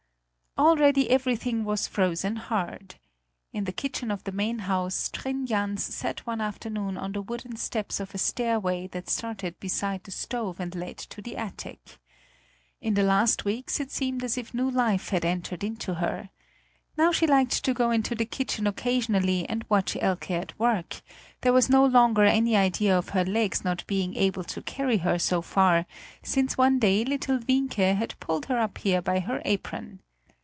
Already everything was frozen hard. In the kitchen of the main house Trin Jans sat one afternoon on the wooden steps of a stairway that started beside the stove and led to the attic. In the last weeks it seemed as if a new life had entered into her. Now she liked to go into the kitchen occasionally and watch Elke at work; there was no longer any idea of her legs not being able to carry her so far, since one day little Wienke had pulled her up here by her apron.